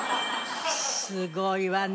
すごいわね！